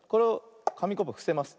かみコップをふせます。